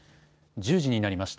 １０時になりました。